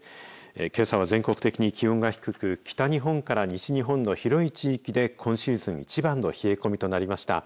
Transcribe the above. けさは全国的に気温が低く北日本から西日本の広い地域で今シーズン一番の冷え込みとなりました。